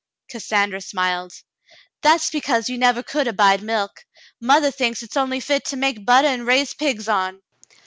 Cassandra smiled. "That's because you never could abide milk. Mothah thinks it's only fit to make buttah and raise pigs on."